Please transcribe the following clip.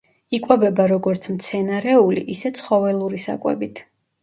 იკვებება როგორც მცენარეული, ისე ცხოველური საკვებით.